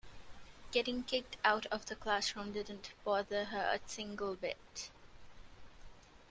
Getting kicked out of the classroom didn't bother her a single bit.